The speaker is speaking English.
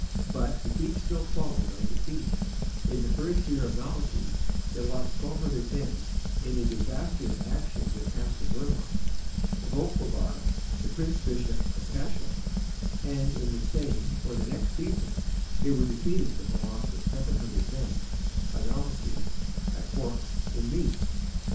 But defeat still followed on defeat; in the first year of Malachy, they lost 1,200 men in a disastrous action near Castle Dermot, with Olcobar the Prince bishop of Cashel; and in the same or the next season they were defeated with the loss of 700 men, by Malachy, at Fore, in Meath.